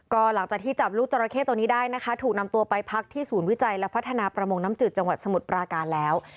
ก็หลังจากที่จับลูกจราเข้ตัวนี้ได้นะคะถูกนำตัวไปพักที่ศูนย์วิจัยและพัฒนาประมงน้ำจืดจังหวัดสมุทรปราการแล้ว